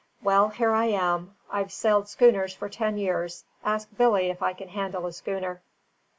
Well, here I am. I've sailed schooners for ten years. Ask Billy if I can handle a schooner."